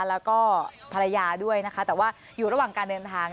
แล้วก็ภรรยาด้วยนะคะแต่ว่าอยู่ระหว่างการเดินทาง